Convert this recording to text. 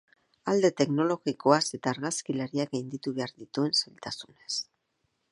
Alde teknologikoaz eta argazkilariak gainditu behar dituen zailtasunez.